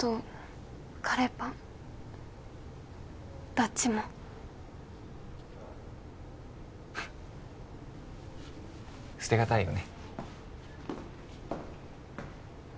どっちも捨てがたいよね